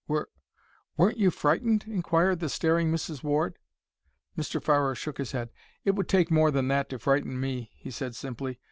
"Wer—weren't you frightened?" inquired the staring Mrs. Ward. Mr. Farrer shook his head. "It would take more than that to frighten me," he said, simply.